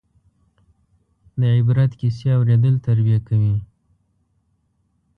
د عبرت کیسې اورېدل تربیه کوي.